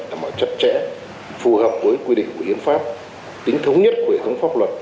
tầm mở chất trẻ phù hợp với quy định của hiến pháp tính thống nhất của hệ thống pháp luật